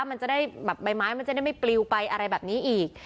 มันจะได้แบบใบไม้มันจะได้ไม่ปลิวไปอะไรแบบนี้อีก